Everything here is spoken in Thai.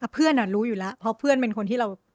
เพื่อนรู้อยู่แล้วเพราะเพื่อนเป็นคนที่เรา